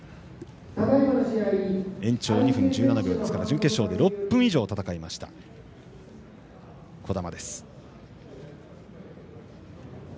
延長２分１７秒ですから準決勝で６分以上戦いました児玉。